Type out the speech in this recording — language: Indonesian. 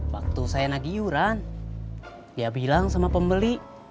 waktu saya nagi iuran dia bilang sama pembeli